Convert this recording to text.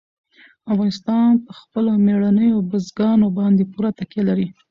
افغانستان په خپلو مېړنیو بزګانو باندې پوره تکیه لري.